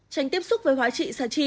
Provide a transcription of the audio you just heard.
tránh tiếp xúc với hóa trị xã trị